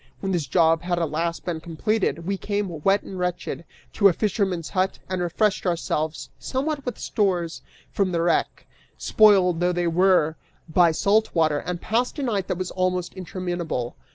When this job had at last been completed, we came, wet and wretched, to a fisherman's hut and refreshed ourselves somewhat with stores from the wreck, spoiled though they were by salt water, and passed a night that was almost interminable.